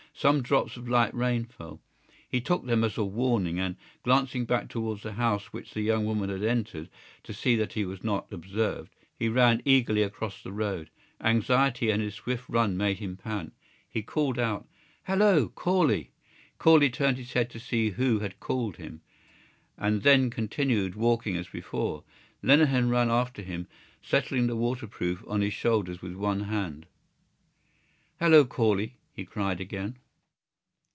Some drops of light rain fell. He took them as a warning and, glancing back towards the house which the young woman had entered to see that he was not observed, he ran eagerly across the road. Anxiety and his swift run made him pant. He called out: "Hallo, Corley!" Corley turned his head to see who had called him, and then continued walking as before. Lenehan ran after him, settling the waterproof on his shoulders with one hand. "Hallo, Corley!" he cried again.